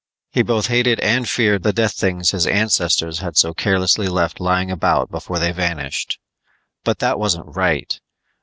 He both hated and feared the death things his ancestors had so carelessly left lying about before they vanished. But that wasn't right.